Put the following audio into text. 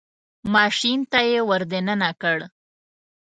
ماشین ته یې ور دننه کړ.